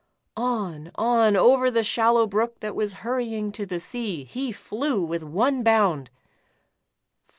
'' On, on, over the shallow brook that was hurry ing to the sea, he flew with one bound.